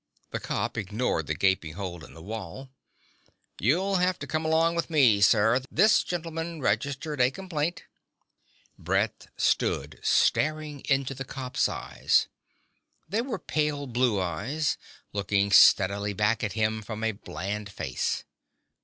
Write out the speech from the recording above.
The cop ignored the gaping hole in the wall. "You'll have to come along with me, sir. This gentleman registered a complaint ..." Brett stood staring into the cop's eyes. They were pale blue eyes, looking steadily back at him from a bland face.